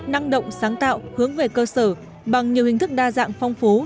năng động sáng tạo hướng về cơ sở bằng nhiều hình thức đa dạng phong phú